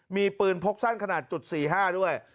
มีปืนพกสั้นขนาดจุด๔๕ด้วย